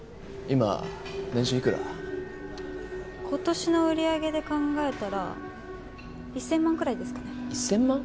今年の売り上げで考えたら１０００万くらいですかね。